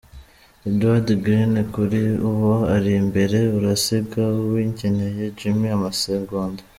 ': Edward Greene kuri ubu ari imbere arasiga Uwingeneye Jimmy amasegonda ".